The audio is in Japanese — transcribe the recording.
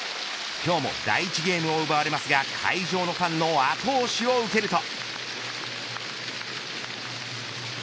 今日も第１ゲームを奪われますが会場のファンの後押しを受けると。